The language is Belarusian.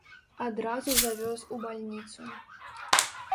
Адразу завёз у бальніцу.